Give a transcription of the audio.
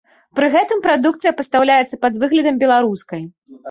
Пры гэтым прадукцыя пастаўляецца пад выглядам беларускай.